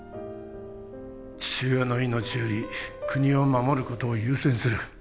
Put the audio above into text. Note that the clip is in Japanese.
父親の命より国を守ることを優先する